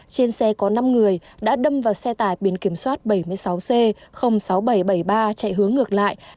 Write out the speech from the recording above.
trên xe có năm người đã đâm vào xe tải biển kiểm soát bảy mươi sáu c sáu nghìn bảy trăm bảy mươi ba chạy hướng ngược lại